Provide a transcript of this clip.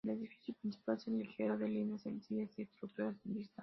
El edificio principal es ligero, de líneas sencillas y estructura vista.